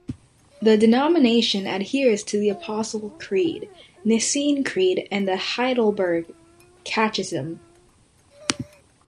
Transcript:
The denomination adheres to the Apostle Creed, Nicene Creed and the Heidelberg Catechism.